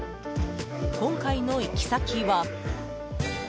今回の行き先は。